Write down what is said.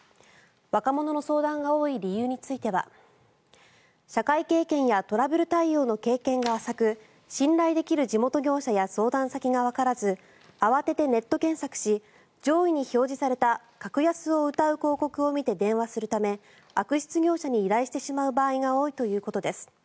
若者の相談が多い理由については社会経験やトラブル対応の経験が浅く信頼できる地元業者や相談先がわからず慌ててネット検索し上位に表示された格安をうたう広告を見て電話するため悪質業者に依頼してしまう場合が多いということです。